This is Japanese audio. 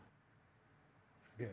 すげえ。